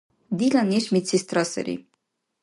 Дила неш медсестра сари